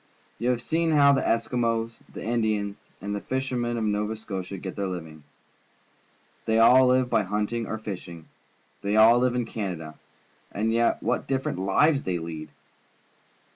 You have seen how the Eskimos, the Indians, and the fishermen of Nova Scotia get their U\'ing. They all live b}"^ hunting or fishing. They all Uve in Canada, and yet what different fives thej' lead!